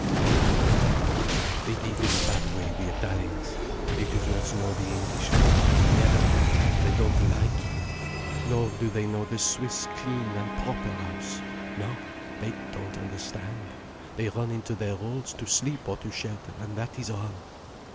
you could not. They live in a bad way, the Italians. They do not know the English home—never. They don't like it. Nor do they know the Swiss clean and proper house. No. They don't understand. They run into their holes to sleep or to shelter, and that is all."